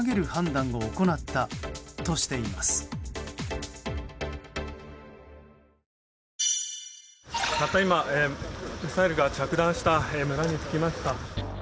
たった今、ミサイルが着弾した村に着きました。